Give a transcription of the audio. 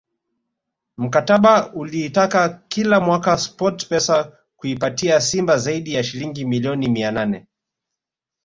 Mkataba uliitaka kila mwaka Sports pesa kuipatia Simba zaidi ya shilingi milioni mia nane